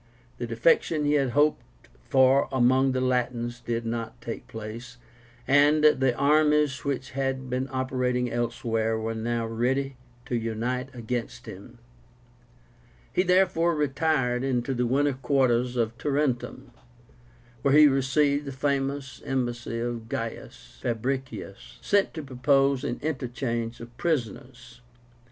The defection he had hoped for among the Latins did not take place, and the armies which had been operating elsewhere were now ready to unite against him. He therefore retired into winter quarters at Tarentum, where he received the famous embassy of GAIUS FABRICIUS, sent to propose an interchange of prisoners.